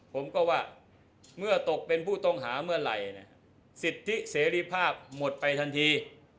ผมก็ว่าเมื่อตกเป็นผู้ต้องหาเมื่อไหร่สิทธิเสรีภาพหมดไปทันที